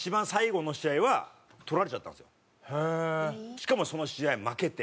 しかもその試合負けて。